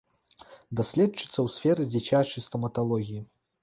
Даследчыца ў сферы дзіцячай стаматалогіі.